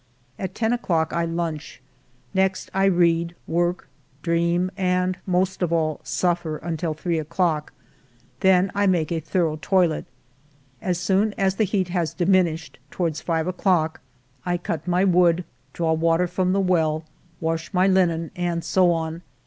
At ten o'clock I lunch. Next I read, work, dream, and, most of all, suffer, until three o'clock. Then I make a thorough toilet. As soon as the heat has diminished, toward five o'clock, I cut my ALFRED DREYFUS 125 wood, draw water from the well, wash my linen, and so on.